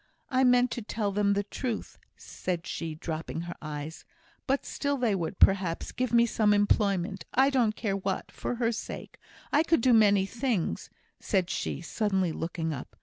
I meant to tell them the truth," said she, dropping her eyes; "but still they would, perhaps, give me some employment I don't care what for her sake. I could do many things," said she, suddenly looking up.